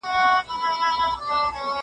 زه کولای سم دا کار وکړم!؟